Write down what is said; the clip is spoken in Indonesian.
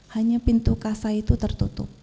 hanya pintu kasa itu tertutup